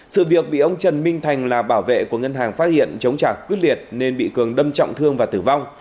sự việc bị ông trần minh thành là bảo vệ của ngân hàng phát hiện chống trả quyết liệt nên bị cường đâm trọng thương và tử vong